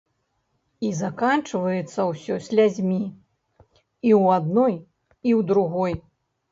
І заканчваецца ўсё слязьмі і ў адной, і ў другой.